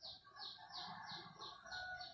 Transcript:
มีเวลาเมื่อเวลาเมื่อเวลา